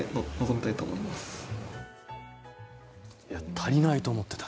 足りないと思っていた。